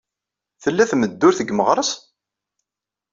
Tella tmeddurt deg Meɣres?